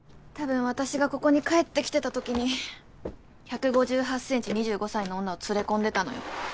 たぶん私がここに帰ってきてたときに１５８ｃｍ２５歳の女を連れ込んでたのよ。